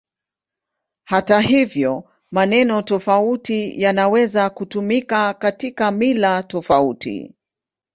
Hata hivyo, maneno tofauti yanaweza kutumika katika mila tofauti.